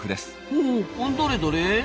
ほうどれどれ。